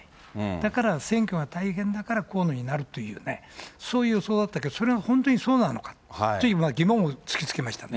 だから選挙が大変だから河野になるというね、そういう予想だったけど、それが本当にそうなのかっていうこれ、疑問を突きつけましたね。